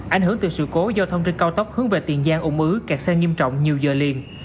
ảnh hưởng từ sự cố giao thông trên cao tốc hướng về tiền giang ủng ứ kẹt xe nghiêm trọng nhiều giờ liền